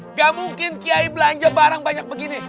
nggak mungkin kiai belanja barang banyak begini